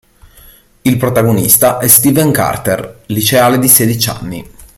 Il protagonista è Steven Carter, liceale di sedici anni.